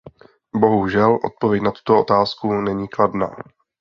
Bohužel, odpověď na tuto otázku není kladná.